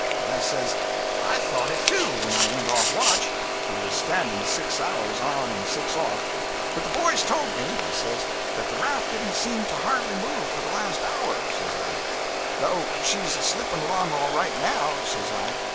I says '"I thought it too, when I went off watch" we was standing six hours on and six off "but the boys told me," I says, "that the raft didn't seem to hardly move, for the last hour," says I, "though she's a slipping along all right, now," says I.